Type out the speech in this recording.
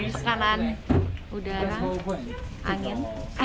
karena sekarang udara angin